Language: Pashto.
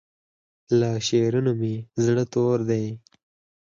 له شعرونو مې زړه تور دی